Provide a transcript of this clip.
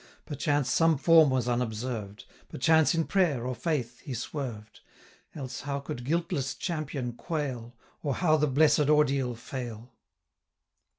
Perchance some form was unobserved; Perchance in prayer, or faith, he swerved; Else how could guiltless champion quail, Or how the blessed ordeal fail?